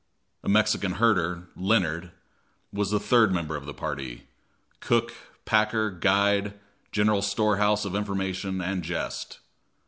A Mexican herder, Leonard, was the third member of the party cook, packer, guide, general storehouse of information and jest.